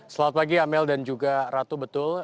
selamat pagi amel dan juga ratu betul